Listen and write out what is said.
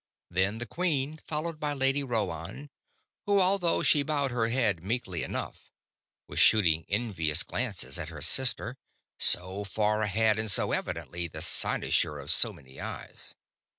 Then the queen, followed by the Lady Rhoann who, although she bowed her head meekly enough, was shooting envious glances at her sister, so far ahead and so evidently the cynosure of so many eyes.